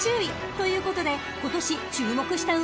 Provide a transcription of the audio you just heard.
［ということで今年注目した馬が］